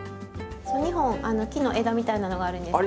２本木の枝みたいなのがあるんですけど。